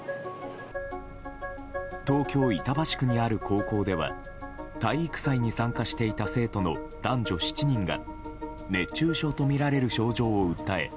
東京・板橋区にある高校では体育祭に参加していた生徒の男女７人が熱中症とみられる症状を訴え